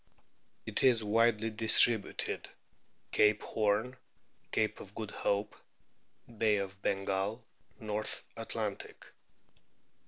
It is widely distributed : Cape Horn, Cape of Good Hope, Bay of Bengal, North Atlantic.